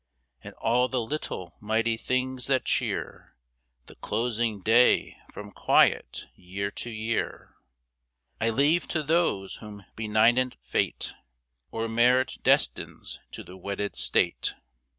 And all the little mighty things that cheer The closing day from quiet year to year, I leave to those whom benignant fate Or merit destines to the wedded state.